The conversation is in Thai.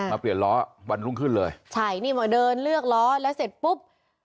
มาเปลี่ยนล้อวันรุ่งขึ้นเลยใช่นี่มาเดินเลือกล้อแล้วเสร็จปุ๊บ